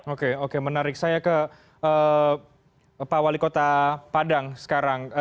oke oke menarik saya ke pak wali kota padang sekarang